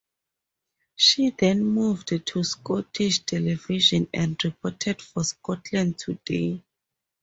She then moved to Scottish Television and reported for Scotland Today.